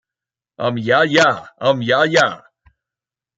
Um Yah Yah! Um Yah Yah!